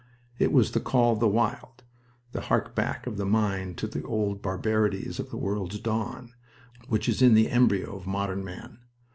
It was the call of the wild the hark back of the mind to the old barbarities of the world's dawn, which is in the embryo of modern man.